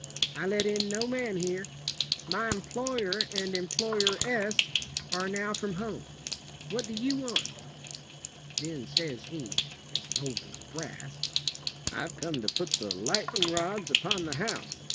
I let in no man here. My em ploy er and employ er ess are now from home. What do you want?" Then says he, as bold as brass, "I've come to put the light en ing rods upon the house.